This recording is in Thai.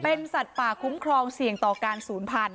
เป็นสัตว์ป่าคุ้มครองเสี่ยงต่อการศูนย์พันธ